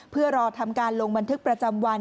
เพื่อรอทำการลงบันทึกประจำวัน